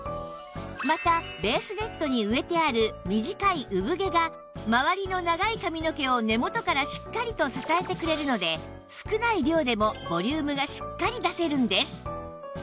またベースネットに植えてある短いうぶ毛が周りの長い髪の毛を根元からしっかりと支えてくれるので少ない量でもボリュームがしっかり出せるんです